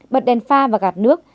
bật đèn pha và gạt nước